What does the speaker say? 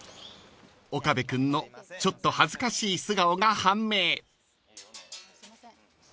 ［岡部君のちょっと恥ずかしい素顔が判明］